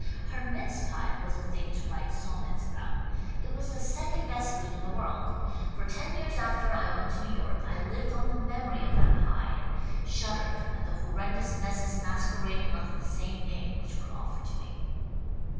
Her mince pie was a thing to write sonnets about. It was the second best food in the world. For ten years after I went to New York I lived on the mem ory of that pie and shuddered at the horrendous messes masquerading under the < same name which were ofEered to me.